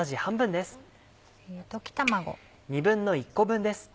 溶き卵。